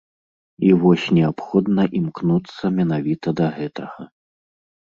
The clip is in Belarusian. І вось неабходна імкнуцца менавіта да гэтага.